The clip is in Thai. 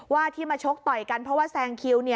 ที่มาชกต่อยกันเพราะว่าแซงคิว